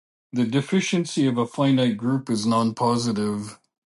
The deficiency of a finite group is non-positive.